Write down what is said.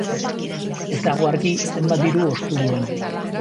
Ez dago argi zenbat diru ostu duen.